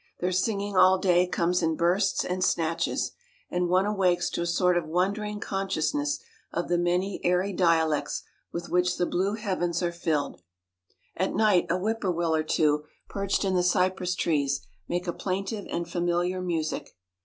Their singing all day comes in bursts and snatches; and one awakes to a sort of wondering consciousness of the many airy dialects with which the blue heavens are filled. At night a whippoorwill or two, perched in the cypress trees, make a plaintive and familiar music.